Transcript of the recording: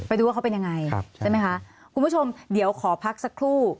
ไปดูว่าเขาเป็นยังไงใช่ไหมคะคุณผู้ชมเดี๋ยวขอพักสักครู่